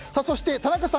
、田中さん